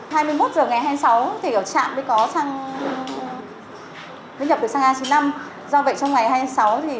hai mươi một h ngày hai mươi sáu thì ở trạm mới nhập được xăng a chín mươi năm do vậy trong ngày hai mươi sáu thì trạm cũng đã không có xăng a chín mươi năm cung cấp